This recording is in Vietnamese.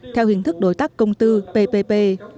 theo hình thức đối tác công tư ppp